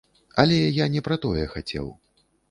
Але я не пра тое хацеў.